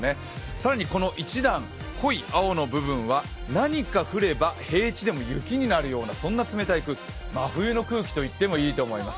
更に一段濃い青の部分は何か降れば平地でも雪になるような、そんな冷たい空気、真冬の空気と言ってもいいと思います。